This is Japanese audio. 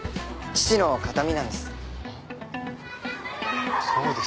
父の形見なんです。